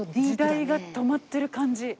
時代が止まってる感じ。